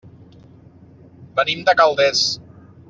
Venim de Calders.